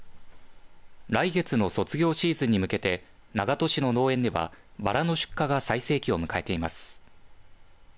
来月の卒業シーズンに向けて長門市の農園ではばらの出荷が最盛期を迎えています。